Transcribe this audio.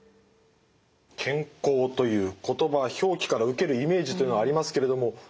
健康という言葉表記から受けるイメージというのはありますけれども竹原さん